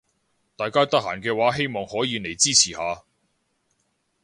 大家得閒嘅話希望可以嚟支持下